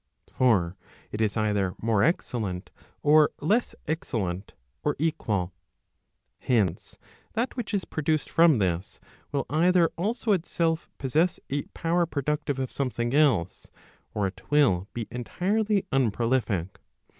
For it is either more excellent, or less excellent, or equal. Hence, that which is produced from this, will either also itself possess a power produc Digitiz ed by boogie PROP. VII. OF THEOLOGY. 305 tive of something else, or it will be entirely unprolific.